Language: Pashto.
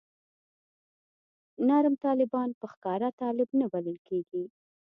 نرم طالبان په ښکاره طالب نه بلل کېږي.